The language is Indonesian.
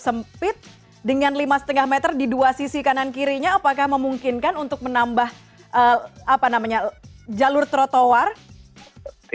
sempit dengan lima lima meter di dua sisi kanan kirinya apakah memungkinkan untuk menambah apa namanya jalur trotoar